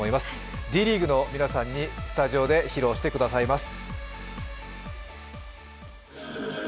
Ｄリーグの皆さんがスタジオで披露してくださいます。